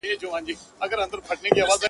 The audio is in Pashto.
په څه سپک نظر به گوري زموږ پر لوري-